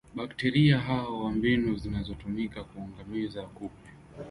bakteria hao na mbinu zinazotumika kuangamiza kupe